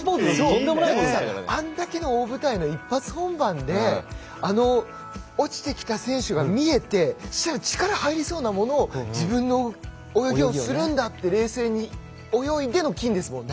あれだけの大舞台の一発本番であの落ちてきた選手が見えて力入りそうなものを自分の泳ぎをするんだって冷静に泳いでの金ですもんね。